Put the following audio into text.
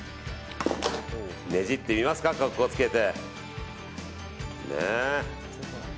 ねじってみますか格好つけて。